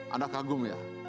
anda kagum ya